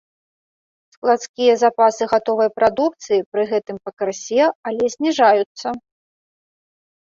Складскія запасы гатовай прадукцыі пры гэтым пакрысе, але зніжаюцца.